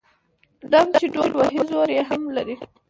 ـ ډم چې ډول وهي زور يې هم لري.